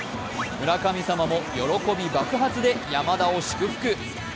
村神様も喜び爆発で山田を祝福。